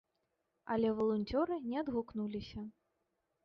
Але валанцёры не адгукнуліся.